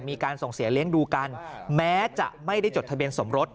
มีการส่งเสียเลี้ยงดูกันแม้จะไม่ได้จดทะเบียนสมรส